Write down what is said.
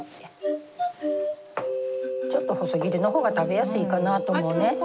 ちょっと細切りの方が食べやすいかなと思うね。